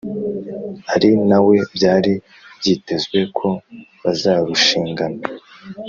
ari nawe byari byitezwe ko bazarushingana